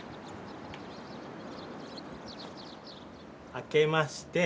あけまして。